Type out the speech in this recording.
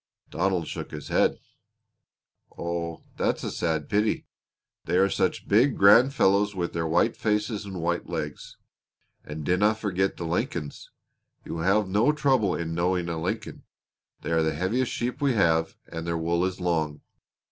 Donald shook his head. "Oh, that's a sad pity. They are such big, grand fellows with their white faces and white legs. And dinna forget the Lincolns. You will have no trouble in knowing a Lincoln. They are the heaviest sheep we have, and their wool is long.